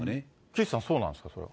岸さん、そうなんですか、それ。